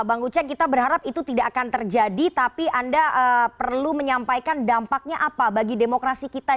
bang uceng kita berharap itu tidak akan terjadi tapi anda perlu menyampaikan dampaknya apa bagi demokrasi kita